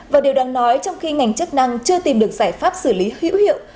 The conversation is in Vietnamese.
và điều đáng nói trong khi ngành chức năng chưa tìm được giải pháp xử lý hữu hiệu